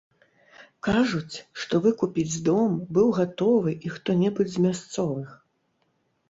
Кажуць, што выкупіць дом быў гатовы і хто-небудзь з мясцовых.